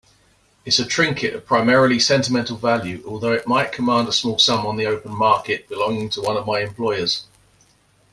It's a trinket of primarily sentimental value, although it might command a small sum on the open market, belonging to one of my employers.